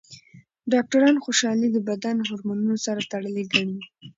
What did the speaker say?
ډاکټران خوشحالي د بدن هورمونونو سره تړلې ګڼي.